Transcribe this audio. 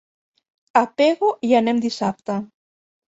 A Pego hi anem dissabte.